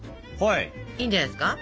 いいんじゃないですか？